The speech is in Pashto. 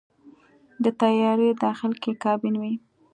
د طیارې داخل کې کابین وي.